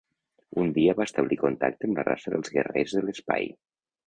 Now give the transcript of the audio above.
Un dia va establir contacte amb la raça dels Guerrers de l'Espai.